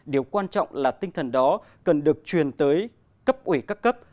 điều quan trọng là tinh thần đó cần được truyền tới cấp ủy các cấp